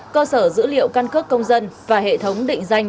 cơ sở dữ liệu căn cước công dân và hệ thống định danh